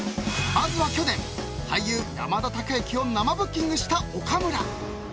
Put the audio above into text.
まずは去年、俳優山田孝之を生ブッキングした岡村。